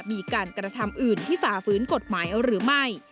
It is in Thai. มีการกระทำอื่นที่ฝ่าฝืนกฎหมายหรือไม่